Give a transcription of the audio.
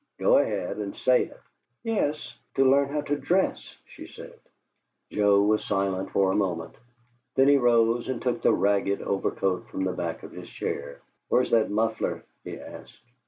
Go ahead and SAY it!" "Yes to learn how to DRESS!" she said. Joe was silent for a moment. Then he rose and took the ragged overcoat from the back of his chair. "Where's that muffler?" he asked.